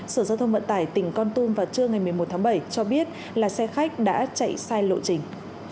sở giao thông vận tải tỉnh con tum vào trưa ngày một mươi một tháng bảy cho biết là xe khách đã chạy sai lộ trình